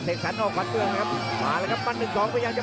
กระโดยสิ้งเล็กนี่ออกกันขาสันเหมือนกันครับ